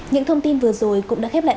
những thông tin vừa rồi cũng đã khép lại